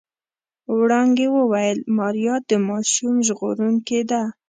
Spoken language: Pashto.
وړانګې وويل ماريا د ماشوم ژغورونکې ده.